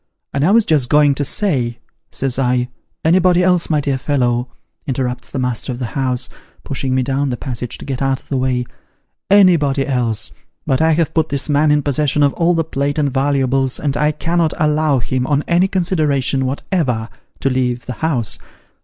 ' And I was just a going to say,' says I ' Anybody else, my dear fellow,' interrupts the master of the house, pushing me down the passage to get out of the way ' anybody else ; but I have put this man in possession of all the plate and valuables, and I cannot allow him on any consideration whatever, to leave tho house.